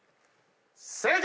正解！